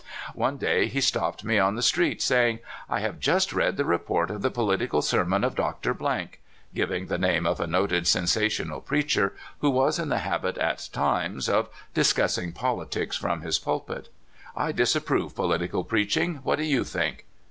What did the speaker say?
One day he stopped me on the street, saying: " I have just read the report of the political sermon of Dr. [gi^'iiig the name of a noted sensational preacher, who was in the habit, at times, of dis cussing politics from his pulpit]. I disapprove political preaching. What do you think?"